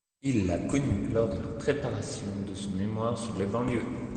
Il l'a connu lors de la préparation de son mémoire sur les banlieues.